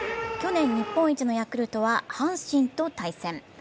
去年、日本一のヤクルトは阪神と対戦。